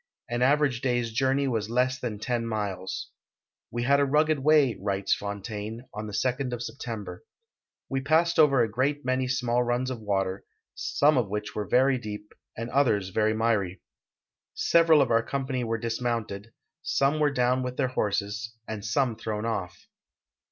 An average day's journey was less than ten miles. " We had a rugged way," writes Fontaine, on the 2d of September. "We passed over a great many small runs of water, some of which were ver\^ deep and others very iniiy. Several of our com})any were dismounted, some were down with their horses, and some thrown off."